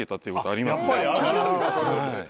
ありますね。